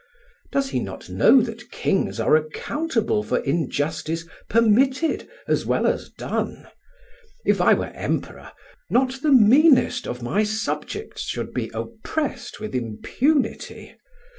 Does he not know that kings are accountable for injustice permitted as well as done? If I were Emperor, not the meanest of my subjects should be oppressed with impunity.